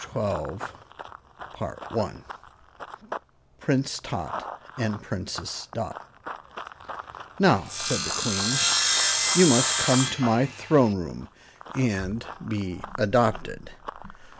CHAPTER 12 Prince Tot and Princess Dot "Now," said the Queen, "you must come to my throne room and be adopted."